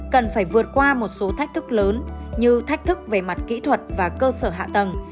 cần phải vượt qua một số thách thức lớn như thách thức về mặt kỹ thuật và cơ sở hạ tầng